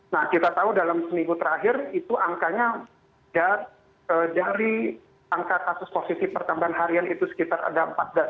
nah kita tahu dalam seminggu terakhir itu angkanya dari angka kasus positif pertambahan harian itu sekitar ada empat belas